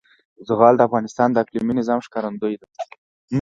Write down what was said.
زغال د افغانستان د اقلیمي نظام ښکارندوی ده.